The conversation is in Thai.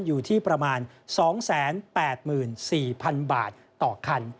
อยู่ที่ประมาณ๒๘๔๐๐๐บาทต่อคัน